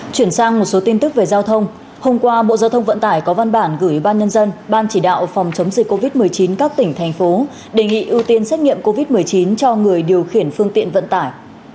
chuyển sang một số tin tức về giao thông hôm qua bộ giao thông vận tải có văn bản gửi ban nhân dân ban chỉ đạo phòng chống dịch covid một mươi chín các tỉnh thành phố đề nghị ưu tiên xét nghiệm covid một mươi chín cho người điều khiển phương tiện vận tải